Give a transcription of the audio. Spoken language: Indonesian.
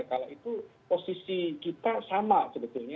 kalau itu posisi kita sama sebetulnya